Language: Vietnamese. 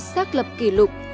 xác lập kỷ lục